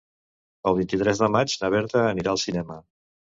El vint-i-tres de maig na Berta anirà al cinema.